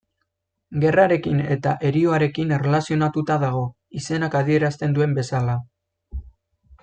Gerrarekin eta herioarekin erlazionatuta dago, izenak adierazten duen bezala.